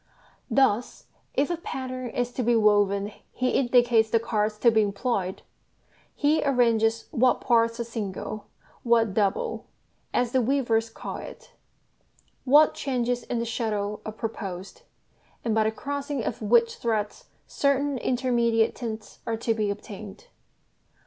Thus, if a pattern is to be woven he indicates the cards to be employed, he arranges what parts are "single," what "double," as the weavers call it, what changes in the shuttle are proposed, and by the crossing of which threads certain intermediate tints are to be obtained.